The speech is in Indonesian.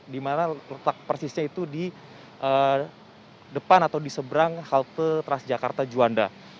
dimana letak persisnya itu di depan atau diseberang halte transjakarta juanda